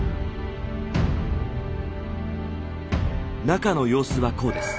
中の様子はこうです。